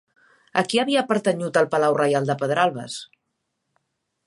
A qui havia pertanyut el Palau Reial de Pedralbes?